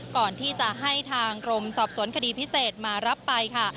ก่อนที่จะให้ทางกรมสอบสวนคดีพิเศษมารับไปค่ะ